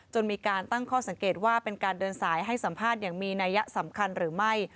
มีการตั้งข้อสังเกตว่าเป็นการเดินสายให้สัมภาษณ์อย่างมีนัยยะสำคัญหรือไม่